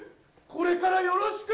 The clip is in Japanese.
これからよろしく！